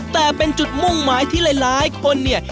แต่เป็นจุดมุ่งหมายที่หลายคนเนี่ย